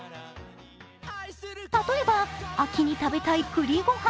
例えば、秋に食べたい、くり御飯。